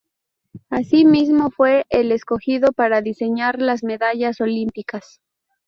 Asimismo, fue el escogido para diseñar las medallas olímpicas.